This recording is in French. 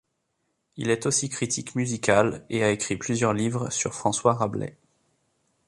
Il est aussi critique musical et a écrit plusieurs livres sur François Rabelais.